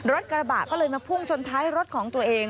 รถกระบะก็เลยมาพุ่งชนท้ายรถของตัวเอง